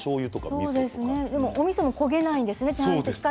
おみそも焦げないんですね